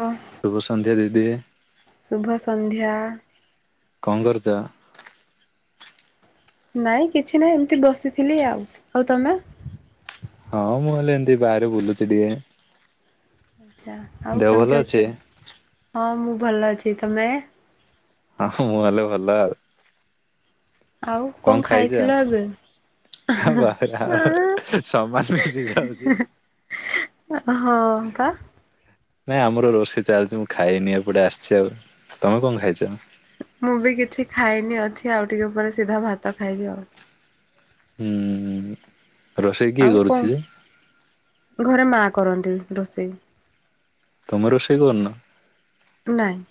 ହଁ ସୁଭ ସନ୍ଧ୍ୟା ଦିଦି। ଶୁଭ ସନ୍ଧ୍ୟା। କଁ କରୁଚ? ନାଇଁ କିଛି ନାଇଁ ଏମିତି ବସିଥିଲି ଆଉ। ଆଉ ତମେ? ହଁ ମୁଁ ହେଲେ ଏମ୍ତି ବାହାରେ ବୁଲୁଚି ଟିକେ। ଆଚ୍ଛା ଆଉ ଦେହ ଭଲ କେମ୍ତି ଅଛି? ଅଛ ହଁ ମୁଁ ଭଲ ଅଛି ତମେ। ହଁ ମୁଁ ହେଲେ ଭଲ ଆଉ। ଆଉ କଁ ଖାଇଥିଲ ଏବେ? ହଁ ବା ସମାନ୍ ମିସି ଯାଉଚି। ହଁ ପା। ନାଇଁ ଆମର ରୋଷେଇ ଚାଲ୍ ଚି ମୁଁ ଖାଇନି ଏପଟେ ଆସିଛି ଆଉ ତମେ କଁ ଖାଇଚ? ମୁଁ ବି କିଛି ଖାଇନି ଅଛି ଆଉ ଟିକେ ଉପ ସିଧା ଭାତ ଖାଇବି ଆଉ। ହୁଁ। ରୋଷେଇ କିଏ ଆଉ କଁ କରୁଛି ଯେ ଘରେ ମା କରନ୍ତି ରୋଷେଇ। ତମେ ରୋଷେଇ କରୁନ? ନାଇଁ।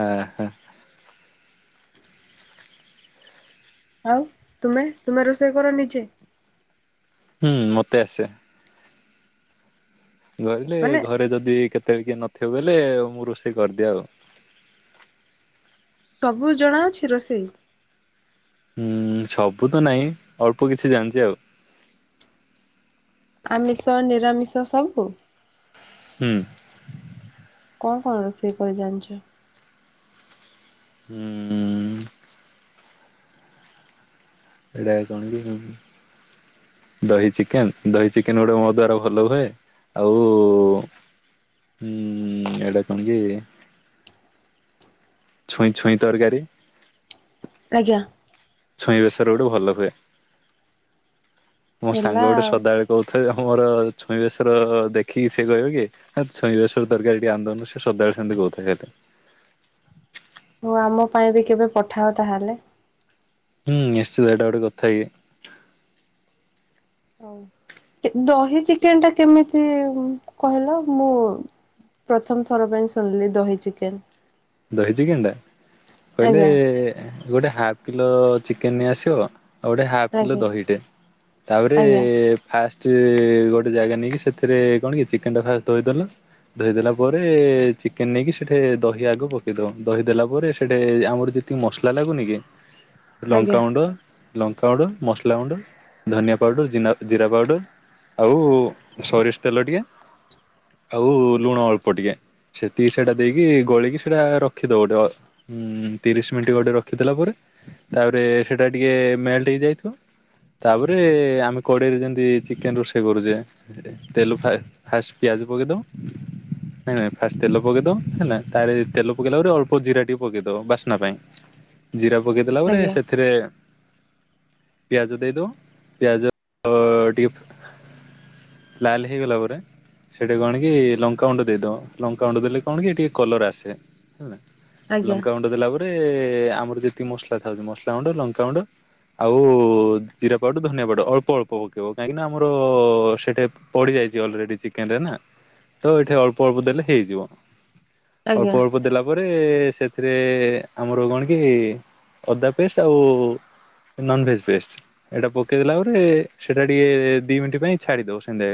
ଆ ହା। ଆଉ ତୁମେ ତୁମେ ରୋଷେଇ କର ନିଜେ? ହୁଁ ମତେ ଆସେ। ଗହିଲେ ମାନେ ଘରେ ଯଦି କେତେବେଳେ କେହି ନଥିବେ ବେଲେ ମୁଁ ରୋଷେଇ କରିଦିଏ ଆଉ। ସବୁ ଜଣା ଅଛି ରୋଷେଇ? ହୁଁ ସବୁ ତ ନାହିଁ ଅଳ୍ପ କିଛି ଜାଣିଚି ଆଉ। ଆମିଷ ନିରାମିଷ ସବୁ? ହୁଁ। କଣ କଣ ରୋଷେଇ କରି ଜାଣିଚୁ? ହୁଁ ଉଁ। ହେଲେ କଣ କି ଦହି ଚିକେନ୍ ଦହି ଚିକେନ୍ ଗୋଟେ ମୋ ଦ୍ଵାରା ଭଲ ହୁଏ। ଆଉ ହୁଁ ଏଟା କଣ କି ଛୁଇଁ ଛୁଇଁ ତରକାରୀ। ଆଜ୍ଞା। ଛୁଇଁ ବେଶର ଗୋଟେ ଭଲ ହୁଏ ମୋ ସାଙ୍ଗ ହେଲା ଗୋଟେ ଆଉ। ସଦାବେଳେ କହୁଥାଏ ଯେ ମୋର ଛୁଇଁ ବେଶର ଦେଖିକି ସେ କହିବ କି ଛୁଇଁ ବେଶର ତର୍କାରୀ ଟିକେ ଆଣିଦୋଉନୁ ସେ ସଦାବେଳେ ସେମତି କହୁଥାଏ। ହୋଉ ଆମ ପାଇଁ ବି କେବେ ପଠାଅ ତାହେଲେ। ହୁଁ ନିଶ୍ଚିତ ଏଟା ଗୋଟେ କଥା କି। ହୋଉ କେ ଦହି ଚିକେନ ଟା କେମିତି କହିଲ ମୁଁ ପ୍ରଥମ୍ ଥର ପାଇଁ ଶୁଣିଲି ଦହି ଚିକେନ୍। ଦହି ଚିକେନ୍ ଟା କହିଲେ ଆଜ୍ଞା ଗୋଟେ ହାଫ୍ କିଲୋ ଚିକେନ୍ ନେଇ ଆସିବ। ଆଉ ଗୋଟେ ହାଫ୍ କିଲୋ ଆଜ୍ଞା ଦହିଟେ ତାପରେ ଆଜ୍ଞା ଫାଷ୍ଟ୍ ଗୋଟେ ଜାଗା ନେଇକି ସେଥିରେ କଣ କି ଚିକେନ୍ ଟା ଫାଷ୍ଟ ହୋଇଦେଲ। ଧୋଇଦେଲା ପରେ ଚିକେନ୍ ନେଇକି ସେଠି ଦହି ଆଗ ପ କିଦୋଉ ଦହି ଦେେଲା ପରେ ସେଇଠି ଆମର୍ ଯେତିକି ମସ୍ଲା ଲାଗୁନି କି ଆଜ୍ଞା ଲଙ୍କାାଗୁଣ୍ଡ ଲଙ୍କା ଗୁଣ୍ଡ ମସ୍ଲା ଗୁଣ୍ଡ ଧନିଆ ପାଉଡ଼ର ଜିନା ଜିରା ପାଉଡ଼ର୍ ଆଉ ସୋରିଷ୍ ତେଲ ଟିକେ ଆଉ ଲୁଣ ଅଳ୍ପ ଟିକେ ସେତିକି ସେଇଟା ଦେଇକି ଗୋଳେଇକି ସେଇଟା ରଖିଦବ ଟେ ଉଁ ତିରିଶ୍ ମିନ୍ଟି ଗୋଟେ ରଖିଦେଲା ପରେ ତାପରେ ସେଟା ଟିକେ ମେଲ୍ଟ୍ ହେଇ ଯାଇଥିବ। ତାପରେ ଆମେ କଡେଇରେ ଯେମିତି ଚିକେନ ରୋଷେଇ କରୁଛେ ତେଲୁ-ପାଷ୍ଟ, ଫାଷ୍ଟ୍ ପିଆଜ ପକେଇ ଦବ ନାଇ ନାଇଁ ଫାଷ୍ଟ୍ ତେଲ ପକେଇ ଦବ ହେଲା ତାରେ ତେଲ ପକେଇଲା ପରେ ଅଳ୍ପ ଜିରା ଟିକେ ପକେଇଦବ ବାସ୍ନା ପାଇଁ ଜିରା ପକେଇ ଦେଲା ପରେ ଆଜ୍ଞା ସେଥିରେ ପିଆଜ ଦେଇଦବ, ପିଆଜ ଅ-ଅ ଟିକେ ଲାଲ୍ ହେଇଗଲା ପରେ ସେଠି କଣ କି ଲଙ୍କା ଗଣ୍ଡ ଦେଇ ଦବ, ଲଙ୍କା ଗଣ୍ଡ ଦେଲେ କଣ କି ଟିକେ କଲର ଆସେ ହେଲା ଆଜ୍ଞା ଲଙ୍କା ଗୁଣ୍ଡ ଦେଲା ପରେ ଆମର ଯେତିକି ମସଲା ଖାଉଛି ମସଲା ଗୁଣ୍ଡ ଲଙ୍କାଗୁଣ୍ଡ ଆଉ ଜିରାପଉଡର ଧନିଆ ପାଉଡର ଅଳ୍ପ ଅଳ୍ପ ପକେଇବ କାହିଁକି ନା ଆମର ସେଠା ପଡିଯାଇଛି ଅଲରେଡି ଚିକେନ୍ ରେ ନା ତ ଏଠି ଅଳ୍ପ ଅଳ୍ପ ଦେଲେ ହେଇଯିବ। ଆଜ୍ଞା ଅଳ୍ପ ଅଳ୍ପ ଦେଲା ତାପରେ ସେଥିରେ ଆମର କଣ କି ଅଦା ପେଷ୍ଟ ଆଉ ନନ୍ ଭେଜ୍ ପେଷ୍ଟ ଏଇଟା ପକେଇଦଲା ପରେ ସେଟା ଟିକେ ଦି ମିନିଟ ପାଇଁ ଛାଡି ଦବ ସେନ୍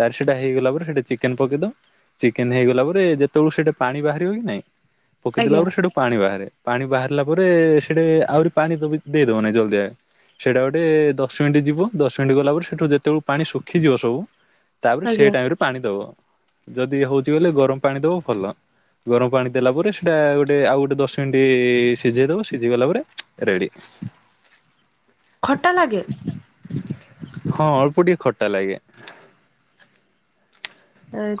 ତାର ସେଇଟା ହେଇଗଲା ପରେ ସେଟି ଚିକେନ୍ ପକେଇ ଦବ ଚିକେନ୍ ହେଇଗଲା ପରେ ଯେତେବେଳୁ ସେଟା ପାଣି ବାହାରିବ କି ନାଇଁ, ପକେଇଦେଲା ଆଜ୍ଞା ପରେ ସେଠୁ ପାଣି ବାହାରେ ପାଣି ବାହାରିଲା ପରେ ସେଠେ ଆହୁରି ପାଣି ତ ଦେଇଦବନାଇଁ ଜଲଦି ଯ ସେଇଟା ଗୋଟେ ଦଶ ମିନିଟ୍ ଯିବ ଦଶ ମିନିଟ୍ ଗଲା ପରେ ସେଠୁ ଯେତେବେଳଳେ ପାଣି ଶୁଖିଯିବ ସବୁ ତାପରେ ଆଜ୍ଞା ସେଇ ଟାଇମ୍ରରେ ପାଣି ଦେବ। ଯଦି ହେଉଛି ଗଲେ ଗରମ ପାଣି ଦେବ ଭଲ ଗରମ ପାଣି ଦେଲା ପରେ ସେଇଟା ଗୋଟେ ଆଉ ଗୋଟେ ଦଶ ମିନିଟ୍ ସିଝେଇ ଦେବ ସିଝେଇଗଲା ପରେ ରେଡ଼ି। ଖଟା ନାଗେ। ହଁ ଅଳ୍ପ ଟିକେ ଖଟା ଲାଗେ।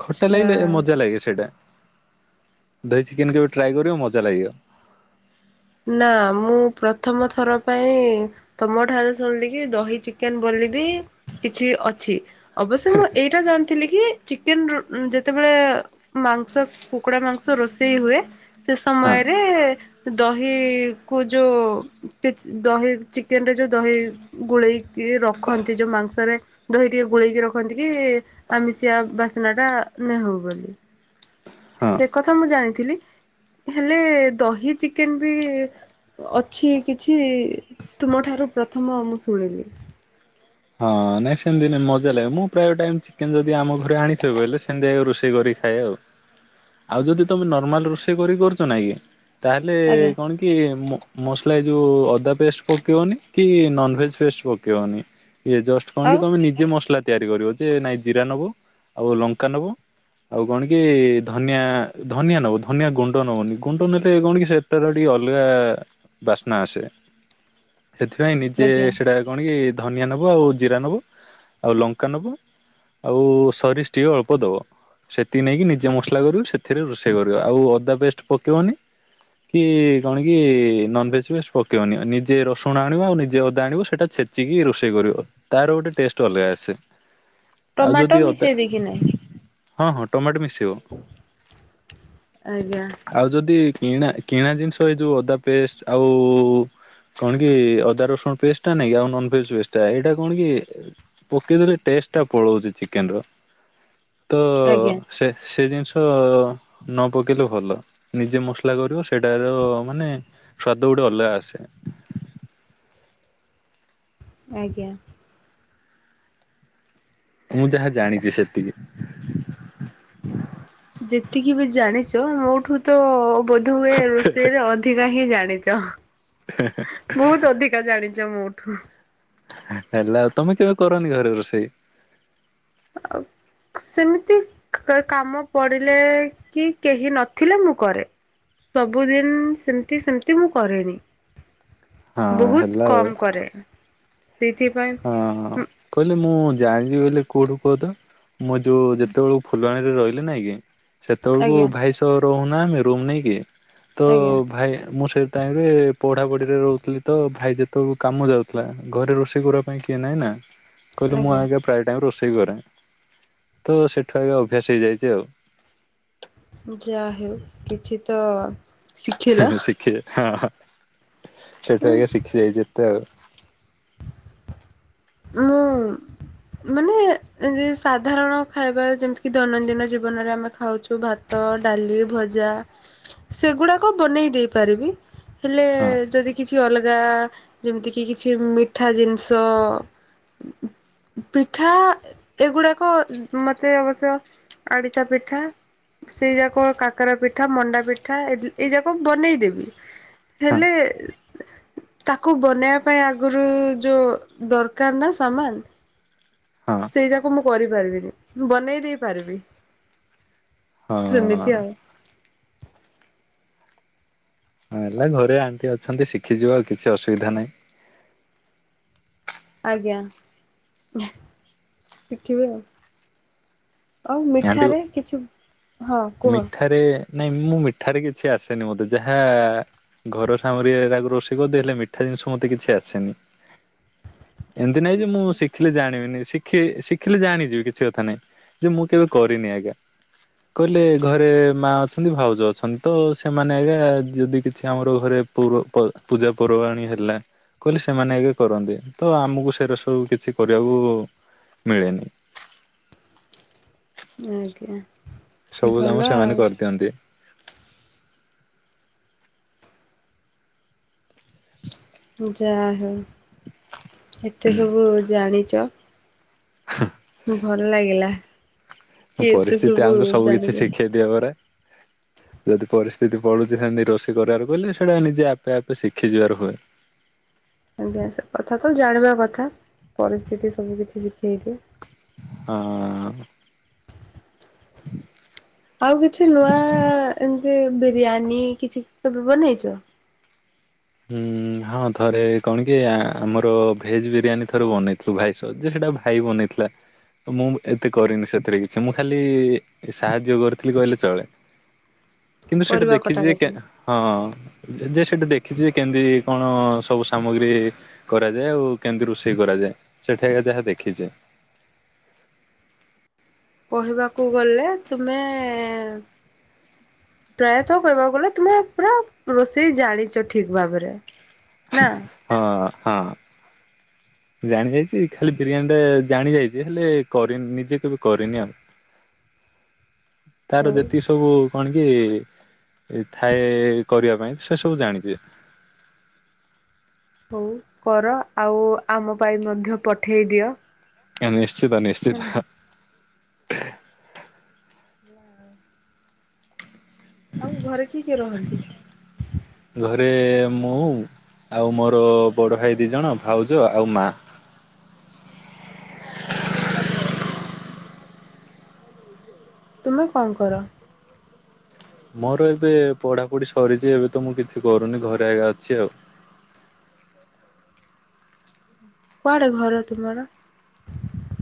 ଖଟା ଲାଗିଲେ ମଜା ଲାଗିବ ସେଇଟା, ଦହି ଚିକେନ୍ କେବେ ଟ୍ରାଏ କରିବ ମଜା ଲାଗିବ। ନା ମୁଁ ପ୍ରଥମ ଥର ପାଇଁ ତମ ଠାରୁ ଶୁଣିଲ କି ଦହି ଚିକେନ୍ ବୋଲି ବି କିଛି ଅଛି ଅବଶ୍ୟ ମୁଁ ଏଇଟା ଜାଣିଥିଲି କି ଚିକେନ୍ ଯେତେବେଳେ ମାଂସ କୁକୁଡା ମାଂସ ରୋଷେଇ ହୁଏ ସେ ହଁ ସମୟରେ ଦହି କୁ ଯୋଉ ଦହି ଚିକେନ୍ ରେ ଯୋଉ ଦହି ଗୋଳେଇକି ରଖନ୍ତି ଯୋଉ ମାଂସରେ ଦହି ଟିକେ ଗୋଳେଇକି ରଖନ୍ତି କି ଆମିଷିଆ ବାସ୍ନା ଟା ନହଉ ବୋଲି। ହଁ। ସେ କଥା ମୁଁ ଜାଣିଥିଲି, ହେଲେ ଦହି ଚି କେନ୍ ବି ଅଛି କିଛି ତୁମଠାରୁ ପ୍ରଥମ ମୁଁ ଶୁଣିଲି। ହଁ ନାଇଁ ସେମିତି ନାଇଁ ମଜା ଲାଗେ। ମୁଁ ପ୍ରାୟ ଟାଇମ୍ ଯଦି ଆମ ଘରେ ଆଣିଥିବ କହିଲେ ସେମିତିଆ ରୋଷେଇ କରି ଖାଏ ଆଉ, ଆଉ ଯଦି ତମେ ନର୍ମାଲ ରୋଷେଇ କରି କରୁଛ ନାକି ତାହେଲେ ଆଜ୍ଞା କଣ କି ମସଲା ଏ ଯେଉଁ ଅଦା ପେଷ୍ଟ ପକାଇବନି କି ନନ୍ଭେଜ୍ ପେଷ୍ଟ ପକାଇବନି। ଇଏ ଜଷ୍ଟ କଣ କି ଆଉ ତମେ ନିଜେ ମସଲା ତିଆରି କରିବ, ଯେ ନାଇଁ ଜିରା ନବ ଆଉ ଲଙ୍କା ନବ ଆଉ କଣ କି ଧନିଆ ଧନିଆ ନବ ଧନିଆ ଗୁଣ୍ଡ ନବନି ଗୁଣ୍ଡ ନେଲେ କଣ କି ସେ ଟର ଟିକେ ଅଲଗା ବାସ୍ନା ଆସେ। ସେଥିପାଇଁ ନିଜେ ଆଜ୍ଞା ସେଇଟା କଣ କି ଧନିଆ ନେବ ଆଉ ଜିରା ନେବ ଆଉ ଲଙ୍କା ନବ ଆଉ ସରିଷ ଟିକେ ଅଳ୍ପ ଦବ। ସେତିି ନେଇକି ନିଜେ ମସଲା କରିବ ସେଥିରେ ରୋଷେଇ କରିବ ଆଉ ଅଦା ପେଷ୍ଟ ପକାଇବନି କି କଣ କି ନନ୍ ଭେଜ୍ ପେଷ୍ଟ ପକେଇବନି, ନିଜେ ରସୁଣ ଆଣିବ ଆଉ ନିଜେ ଅଦା ଆଣିବ, ସେଇଟା ଛେ ଚିକି ରୋଷେଇ କରିବ, ତାର ଗୋଟେ ଟେଷ୍ଟ ଅଲଗା ଆସେ। ଆଉ ଟମାଟୋ ଯଦି ଅଦା ମିଶେଇବେ କି ନାହିଁ? ହଁ ହଁ ଟମାଟୋ ମିଶିବ ଆଜ୍ଞା। ଆଉ ଯଦି କିଣା କିଣା ଜିନିଷ ଏଇ ଯଉ ଅଦା ପେଷ୍ଟ ଆଉ କଣ କି ଅଦା ରସୁଣ ପେଷ୍ଟ ଟା ନାଇ କି ଆଉ ନନ ଭେଜ ପେଷ୍ଟ ଏଇଟା କଣ କି ପକେଇଦେଲେ ଟେଷ୍ଟ ଟା ପଳଉଛି ଚିକେନର ତ ଆଜ୍ଞା ସେ ସେ ଜିନିଷ ନ ପକେଇଲେ ଭଲ ନିଜେ ମସଲା କରିବ ସେଟାର ମାନେ ସ୍ୱାଦ ଗୋଟେ ଅଲଗା ଆସେ। ଆଜ୍ଞା। ମୁଁ ଯାହା ଜାଣିଛି ସେତିକି ଯେତିକି ବି ଜାଣିଛ ମୋ ଠୁ ତ ବୋଧ ହୁଏ ରୋଷେଇରେ ଅଦ୍ ଅଧିକା ହିଁ ଜାଣିଛ ବହୁତ ଅଧିକା ଜାଣିଛ ମୋଠୁ। ହେଲା ଆଉ ତମେ କେବେ କରନି ଘରେ ରୋଷେଇ? ଆଉ ସେମିତି କାମ ପଡ଼ିଲେ କି କେହି ନଥିଲେ ମୁଁ କରେ। ସବୁଦିନ ସେମିତି ସେମିତି ମୁଁ କରେନି। ହଁ ବହୁତ ହେଲା ଆଉ କମ କରେ ସେଇଥିପାଇଁ ହଁ କହିଲେ ମୁଁ ଜାଣିଛିି ବୋଲି କୋଉଠୁ କୁହ ତ? ମୁଁ ଯୋଉ ଯେତେବେଳକୁ ଫୁଲବାଣୀରେ ରହିଲି ନାଇଁ କି ସେତେବେଳକୁ ଆଜ୍ଞା ଭାଇ ତ ରହୁନା ଆମେ ରୁମ ନେଇକିି ତ ଆଜ୍ଞା ଭାଇ ମୁଁ ସେ ଟାଇମରେ ପଢ଼ାପଢ଼ିରେ ରହୁଥିଲି ତ ଭାଇ ଯେତେବେଳେକୁ କାମ ଯାଉଥିଲା ଘରେ ରୋଷେଇ କରିବା ପାଇଁ କିଏ ନାଇଁ ନା କହିଲି ମୁଁ ଆଜ୍ଞା ଆଗେ ପ୍ରାଏ ଟାଇମ୍ ରୋଷେଇ କରେ ତ ସେଠୁ ଆଗ ଅଭ୍ୟାସ ହେଇଯାଇଛି ଆଉ। ଯାହାହେଉ କିଛି ତ ଶିଖିଲ ଶିଖିଲି ହଁ ସେଠୁ ଆଜ୍ଞା ଶିଖି ଯାଇଛିତ ଆଉ। ମୁଁ ମାନେ ସାଧାରଣ ଖାଇବା ଯେମିତି କିି ଦୈନନ୍ଦିନ ଜୀବନରେ ଆମେ ଖାଉଛୁ ଭାତ ତ ଡାଲି ଭଜା ସେଗୁଡାକ ବନେଇ ଦେଇପାରିବି ହେଲେ ହଁ ଯଦି କିଛି ଅଲଗା ଯେମିତି କିି କିଛି ମିଠା ଜିନିଷ ହୁଁ ପିଠା ଏଗୁଡାକ ମତେ ଅବଶ୍ୟ ଆରିସା ପିଠା ସେଇ ଯାକ କାକରା ପିଠା ମଣ୍ଡା ପିଠା ଏଇ ଯାକ ବନେଇଦେବି ହଁ ହେଲେ ତାକୁ ବନେଇବା ପାଇଁ ଆଗରୁ ଯୋଉ ଦରକାର କାର ନା ସାମାନ ହଁ ସେଇ ଯାକୁ ମୁଁ କରିପାରିବିନି ବନେଇ ଦେଇପାରିବି। ହଁ। ହଁ ହେଲା ଘରେ ଆଣ୍ଟି ଅଛନ୍ତି ଶିଖିଯିବ ଆଉ କିଛି ଅସୁବିଧା ନାହିଁ। ଆଜ୍ଞା ଶିଖିବି ଆଉ। ଆଉ ଆଣ୍ଟି ମିଠାରେ କିଛି? ହଁ କୁହ ମିଠାରେ ନାଇଁ ମୁଁ ମିଠାରେ କିଛି ଆସେନି ମତେ। ଯାହା ଘର ସାମଗ୍ରିରେ ରୋଷେଇ କରିଦେବି ହେଲେ ମିଠା ଜିନିଷ ମତେ କିଛି ଆସେନି। ଏମତି ନାଇଁ ଯେ ମୁଁ ଆଛା ଶିଖି ଶିଖିଲେ ଜାଣିବିନି ଶିଖି ଶିଖିଲେ ଜାଣିଯିବି କିଛି କଥା ନାଇଁ ଯେ ମୁଁ କେବେ କରିନି ଆଜ୍ଞା। କହିଲେ ଘରେ ମା ଅଛନ୍ତି ଭାଉଜ ଅଛନ୍ତି ତ ସେମାନେ ଆଜ୍ଞା ଯଦି କିଛି ଆମର ଘରେ ପୁଃ ପ ପୂଜା ପର୍ବାଣୀ ହେଲା କହିଲେ ସେମାନେ ଆଜ୍ଞା କରନ୍ତି। ତ ଆମକୁ ସେଗୁରା ସବୁ କିଛି କରିବାକୁ ମିଳେନି। ଆଜ୍ଞା। ସବୁ ଭଲ କାମ ଆଉ ସେମାନେ କରିଦିଅନ୍ତି। ଯାହାହଉ ଏତେ ସବୁ ଜାଣିଛ। ହୁ। ଭଲ ଲାଗିଲା। କି ଏତେ ପରିସ୍ଥିତି ଆମକୁ ସବୁ କିଛି ଜାଣିଲେ ଶିଖେଇ ଦିଏ ପରା। ଯଦି ପରିସ୍ଥିତି ପଡୁଛି ସେମତି ରୋଷେଇ କରିବାର କହିଲେ ସେଇଟା ନିଜେ ଆପେ ଆପେ ଶିଖିଯିବାର ହୁଏ। ଆଜ୍ଞା ସେ କଥା ତ ଜାଣିବା କଥା ପରିସ୍ଥିତି ସବୁ କିଛି ଶିଖେଇଦିଏ। ହଁ। ଆଉ କିଛି ନୂଆ ଏମିତି ବିରିୟାନୀ କିଛି କେବେ ବନେଇଛ? ହଁ ଥରେ କଣ କି ଆମର ଭେଜ୍ ବିରିୟାନୀ ଥରେ ବନେଇଥି ଶୁଭାଇ ସଜ୍‌ ସେଇଟା ଭାଇ ବନେଇଥିଲା। ତ ମୁଁ ଏତେ କରିନି ସେଥିରେ କିଛି ମୁଁ ଖାଲି ସାହାଯ୍ୟ କରିଥିଲି କହିଲେ ଚଳେ। କିନ୍ତୁ ସେଠା ପରିବା ଦେଖିଛି ଯେ କଟାକଟି ହଁ ଯେ ସେଠା ଦେ କିଛି କେମିତି କଣ ସବୁ ସାମଗ୍ରୀ। କରାଯାଏ ଆଉ କେମିତି ରୋଷେଇ କରାଯାଏ ସେଠା ଯାହା ଦେଖିଛେ। କହିବାକୁ ଗଲେ ତୁମେ। ପ୍ରାୟତଃ କହିବାକୁ ଗଲେ ତୁମେ ପୁରା ରୋଷେଇ ଜାଣିଛ ଠିକ୍‌ ଭାବରେ ନା। ହଁ ହଁ। ଜାଣି ଯାଇଛି ଖାଲି ବିରିୟାନୀ ଟା ଜାଣି ଯାଇଛି ହେଲେ କରିନି ନିଜେ କେବେ କରିନି ଆଉ। ତାର ହଉ ଯେତିକି ସବୁ କଣ କି ଥାଏ କରିବା ପାଇଁ ସେସବୁ ଜାଣିଛିି। ହଉ କର ଆଉ ଆମ ପାଇଁ ମଧ୍ୟ ପଠେଇ ଦିଅ। କ୍ୟା ନିଶ୍ଚିତ ନିଶ୍ଚିତ। ହେଲା ନା ଆଉ ଘରେ କିଏ କିଏ ରହନ୍ତି? ଘରେ ମୁଁ ଆଉ ମୋର ବଡ଼ ଭାଇ ଦୁଇଜଣ ଭାଉଜ ଆଉ ମାଆ। ତୁମେ କଣ କର? ମୋର ଏବେ ପଢ଼ାପଢ଼ି ସରିଛି ଏବେ ତ ମୁଁ କିଛି କରୁନି ଘରେ ଆଗା ଅଛି ଆଉ। କୁଆଡେ ଘର ତୁମର?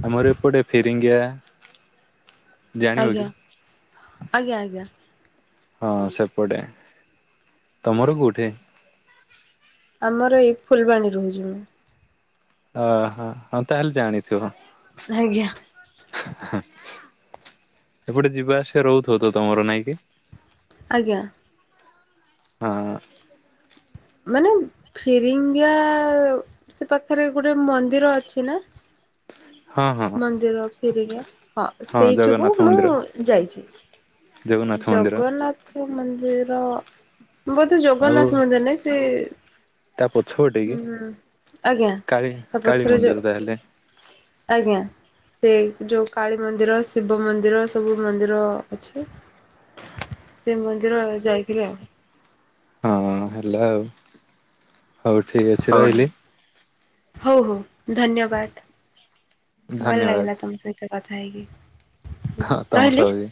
ଆମରି ଏପଟେ ଫିରିଙ୍ଗିଆ। ଜାଣିବ ଆଜ୍ଞା କି? ଆଜ୍ଞା ଆଜ୍ଞା ହଁ ସେପଟେ ତୁମର ଘର କେଉଁଠି? ଆମର ଏଇ ଫୁଲବାଣୀ ରହୁଛି ମୁଁ। ଓହୋ ହଁ ତାହେଲେ ଜାଣିଥିବ। ଆଜ୍ଞା। ଏପଟେ ଯିବା ଆସିବା ରହୁଥିବତ ତମର ନାଇଁ କିି? ଆଜ୍ଞା। ହଁ। ମାନେ ଫିରିଙ୍ଗା ସେ ପାଖରେ ଗୋଟେ ମନ୍ଦିର ଅଛି ନା? ହଁ ହଁ। ମନ୍ଦିର ଫେରିକି ହଁ ସେଇଠିକୁ ଜଗନ୍ନାଥ ମୁଁ ମନ୍ଦିର ଯାଇଛି। ଜଗନ୍ନାଥ ମନ୍ଦିର। ଜଗନ୍ନାଥ ମନ୍ଦିର ବୋଧେ ଆଉ ଜଗନ୍ନାଥ ମନ୍ଦିର ନାଇଁ ସେ ତା ପଛପଟେ କି ହୁଁ ଆଜ୍ଞା କାଳୀ କାଳୀ ତାପଛରେ ମନ୍ଦିର ଯୋଉ ତାହେଲେ ଆଜ୍ଞା। ସେ ଯୋଉ କାଳୀ ମନ୍ଦିର ଶିବ ମନ୍ଦିର ସବୁ ମନ୍ଦିର ଅଛି। ସେ ମନ୍ଦିର ଯାଇଥିଲା। ହଁ ହେଲା ଆଉ ହୋଉ ଠିକ୍ ଅଛି ରହିଲି। ହୋଉ ହୋଉ ଧନ୍ୟବାଦ ଭଲ ଧନ୍ୟବାଦ ଲାଗିଲ ତମସାଙ୍ଗେ ତ କଥା ହେଇକିି। ହଁ ତମସହବି।